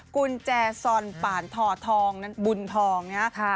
กุญแจสอนป่านถอดทองบุญทองนะคะ